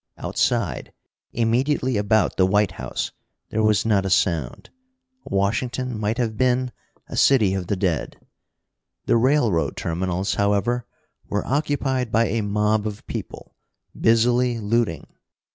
Outside, immediately about the White House, there was not a sound. Washington might have been a city of the dead. The railroad terminals, however, were occupied by a mob of people, busily looting.